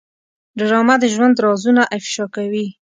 ډرامه د ژوند رازونه افشا کوي